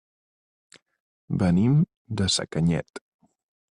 Venim de Sacanyet.